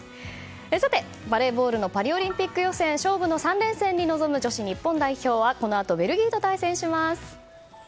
さて、バレーボールのパリオリンピック予選勝負の３連戦に臨む女子日本代表はこのあとベルギーと対戦します。